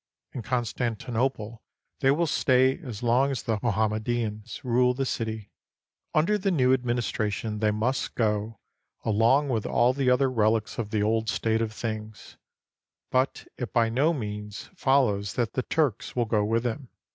In Constantinople they will stay as long as the Mohammedans rule the city. Under the new administration they must go, along with all the other reHcs of the old state of things, but it by no means follows that the Turks will go with them.